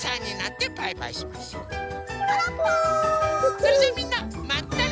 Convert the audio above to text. それじゃあみんなまたね！